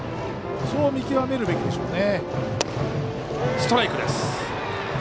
そこを見極めるべきですよね。